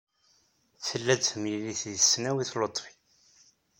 Tella-d temlilit deg tesnawit Luṭfi.